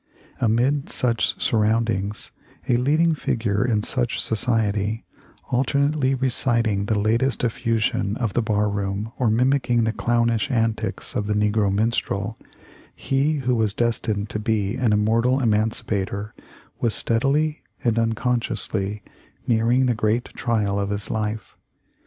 Amid such surroundings, a leading figure in such society, alternately reciting the latest effusion of the bar room or mimicking the clownish antics of the negro minstrel, he who was destined to be an im mortal emancipator, was steadily and unconsciously nearing the great trial of his life.